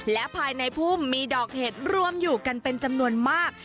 และภายในพุ่มมีดอกเห็ดรวมอยู่กันเป็นจำนวนมาก